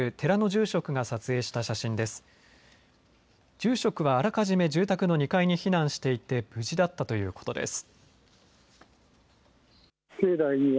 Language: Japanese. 住職はあらかじめ住宅の２階に避難していて無事だったということです。